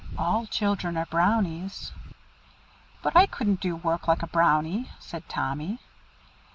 All children are Brownies." "But I couldn't do work like a Brownie," said Tommy.